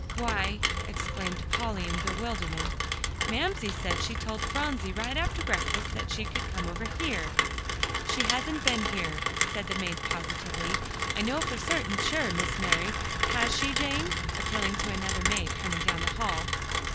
"Why," exclaimed Polly in bewilderment, "Mamsie said she told Phronsie right after breakfast that she could come over here." "She hasn't been here," said the maid positively. "I know for certain sure, Miss Mary. Has she, Jane?" appealing to another maid coming down the hall.